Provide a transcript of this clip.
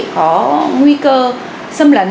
có nguy cơ xâm lấn